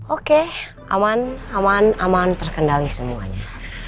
oke aman aman terkendali semuanya